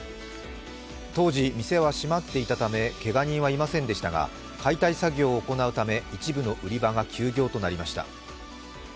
当時、店は閉まっていたためけが人はいませんでしたが解体作業を行うため一部の売り場が休業となりました。